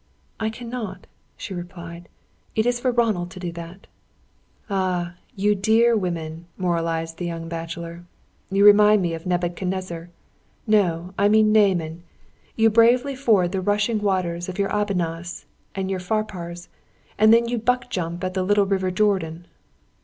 "I cannot," she replied. "It is for Ronald to do that." "Ah, you dear women!" moralised the young bachelor. "You remind me of Nebuchadnezzar no, I mean Naaman. You bravely ford the rushing waters of your Abanas and your Pharpars, and then you buck jump at the little river Jordan!"